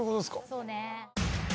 そうね。